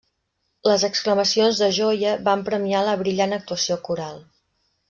Les exclamacions de joia van premiar la brillant actuació coral.